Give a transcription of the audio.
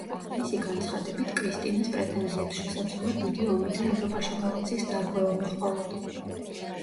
მისი განცხადებით კრისტინას პრეტენზიებს შესაძლოა დიდი ომი და ევროპაში ბალანსის დარღვევა მოჰყოლოდა.